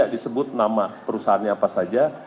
disebut nama perusahaannya apa saja